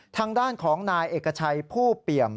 ทางด้านของนายเอกชัยผู้เปี่ยม